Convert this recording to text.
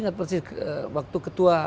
ingat persis waktu ketua